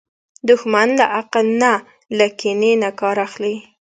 دښمن له عقل نه، له کینې نه کار اخلي